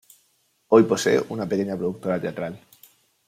Hoy posee una pequeña productora teatral.